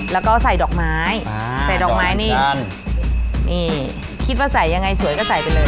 แล้วก็ใส่ดอกไม้ใส่ดอกไม้นี่นั่นนี่คิดว่าใส่ยังไงสวยก็ใส่ไปเลย